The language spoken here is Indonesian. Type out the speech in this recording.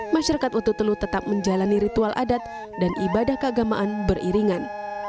masyarakat ututelu tetap menjalani ritual adat dan ibadah keagamaan beriringan